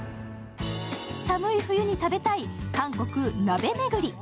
寒い冬に食べたい韓国鍋めぐり。